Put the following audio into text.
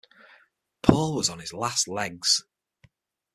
Paul was on his last legs.